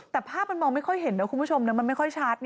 แต่ภาพมันมองไม่ค่อยเห็นนะคุณผู้ชมมันไม่ค่อยชัด